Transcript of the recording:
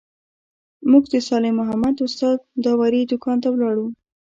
موږ د صالح محمد استاد داوري دوکان ته ولاړو.